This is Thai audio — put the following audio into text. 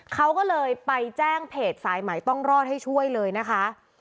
เขาก็เลยไปแจ้งเพจสายใหม่ต้องรอดให้ช่วยเลยนะคะ